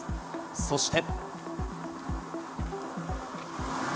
そして。